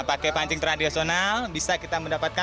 pakai panting tradisional bisa kita mendapatkan